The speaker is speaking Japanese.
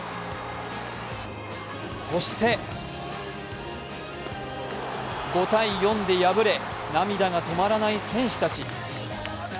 そして５−４で敗れ、涙が止まらない選手たち。